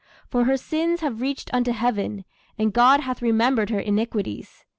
For her sins have reached unto heaven And God hath remembered her iniquities....